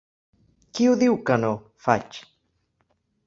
Qui ho diu, que no? —faig.